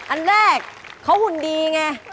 อันแรกเขาหุ่นดีไง